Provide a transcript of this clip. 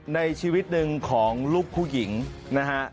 ในชีวิตหนึ่งของลูกผู้หญิงนะฮะ